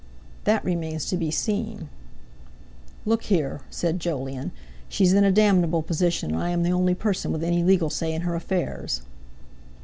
"That remains to be seen." "Look here!" said Jolyon, "she's in a damnable position, and I am the only person with any legal say in her affairs."